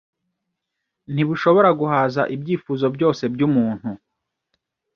ntibushobora guhaza ibyifuzo byose by'umuntu